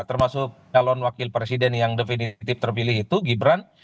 termasuk calon wakil presiden yang definitif terpilih itu gibran